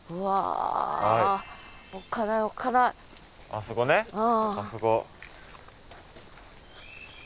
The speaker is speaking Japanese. あそこねあそこ。